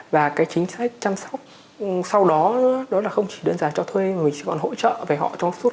và cái chính sách chăm sóc sau đó đó là không chỉ đơn giản cho thuê mà mình chỉ còn hỗ trợ về họ trong suốt